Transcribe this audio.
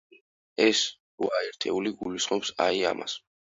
ეს რვა ერთეული გულისხმობს, აი, ამას.